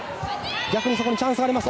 逆にそこにチャンスがあります。